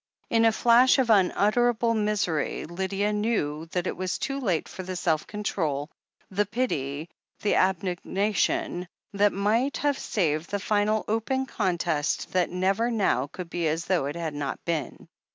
In a flash of unutterable misery Lydia knew that it was too late for the self control, the pity, the abnega tion, that might have saved the final, open contest that never now could be as though it had not been.